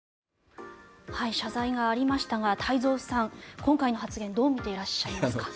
謝罪がありましたが太蔵さん、今回の発言どう見ていらっしゃいますか。